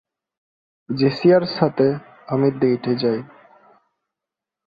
জেসিয়ার সাথে আমি ডেইটে যাই।